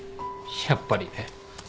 やっぱりね。